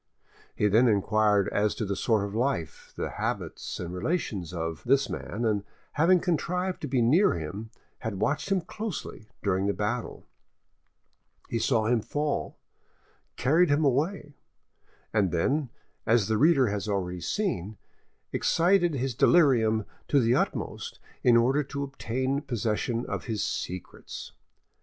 He then inquired as to the sort of life, the habits and relations of, this man, and having contrived to be near him, had watched him closely during the battle. He saw him fall, carried him away, and then, as the reader has already seen, excited his delirium to the utmost in order to obtain possession of his secrets.